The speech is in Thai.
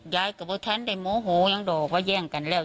ย้ายก็ไม่ทันได้โมโหยังโด่ว่าแย่งกันแล้ว